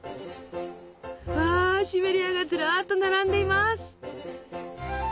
うわシベリアがずらっと並んでいます。